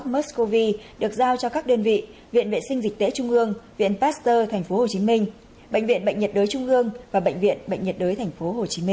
mers cov được giao cho các đơn vị viện vệ sinh dịch tễ trung ương viện pasteur tp hcm bệnh viện bệnh nhiệt đới trung ương và bệnh viện bệnh nhiệt đới tp hcm